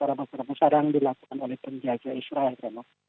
yang sekarang dilakukan oleh penjaga israel renov